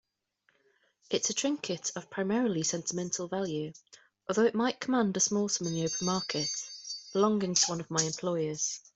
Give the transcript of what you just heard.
It's a trinket of primarily sentimental value, although it might command a small sum on the open market, belonging to one of my employers.